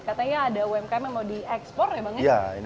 katanya ada umkm yang mau diekspor ya bang ya